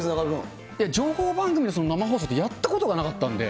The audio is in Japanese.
情報番組の生放送ってやったことがなかったんで。